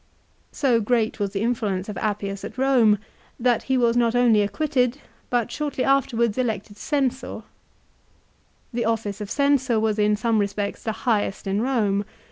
So great was the influence of Appius at Rome that he was not only acquitted, but shortly afterwards elected Censor. The office of Censor was in some respects the highest in Eome.